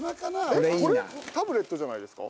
えっ、これ、タブレットじゃないですか？